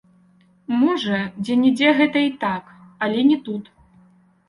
Можа, дзе-нідзе гэта і так, але не тут.